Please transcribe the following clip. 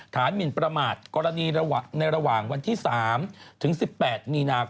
หมินประมาทกรณีในระหว่างวันที่๓ถึง๑๘มีนาคม